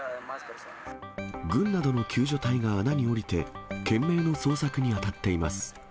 軍などの救助隊が穴に下りて、懸命の捜索に当たっています。